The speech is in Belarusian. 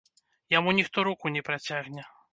Яму ніхто руку не працягне.